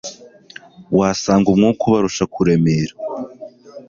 wasanga umwuka ubarusha kuremera